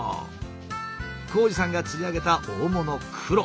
紘二さんが釣り上げた大物クロ。